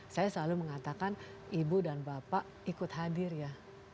saya selalu mengatakan ibu dan bapak ikut hadir ya